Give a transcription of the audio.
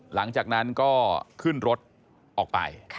หลังจากนั้นก็ขึ้นรถออกไป